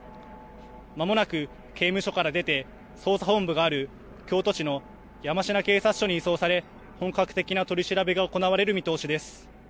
まもなく刑務所から出て捜査本部がある京都の山科警察署に移送され本格的な取り調べが行われる見通しです。